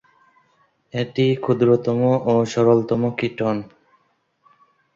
এটি ক্ষুদ্রতম ও সরলতম কিটোন।